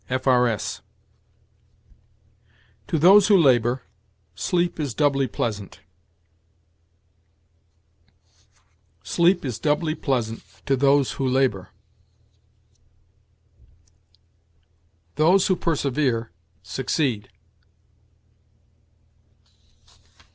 D., F. R. S." "To those who labor, sleep is doubly pleasant"; "Sleep is doubly pleasant to those who labor." "Those who persevere, succeed."